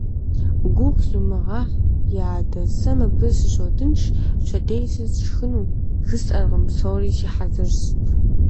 Гугъу зумыгъэхь, ди адэ, сэ мыбы сыщотынш, пщэдей сыт сшхыну жысӀэркъым, псори си хьэзырщ.